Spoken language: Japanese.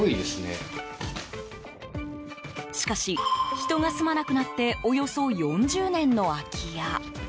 しかし、人が住まなくなっておよそ４０年の空き家。